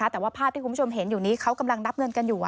แต่ว่าภาพที่คุณผู้ชมเห็นอยู่นี้เขากำลังนับเงินกันอยู่